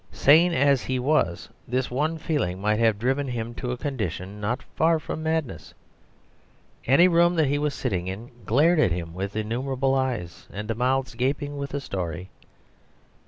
Sane as he was, this one feeling might have driven him to a condition not far from madness. Any room that he was sitting in glared at him with innumerable eyes and mouths gaping with a story.